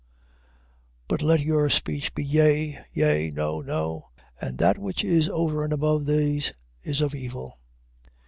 5:37. But let your speech be yea, yea: no, no: and that which is over and above these, is of evil.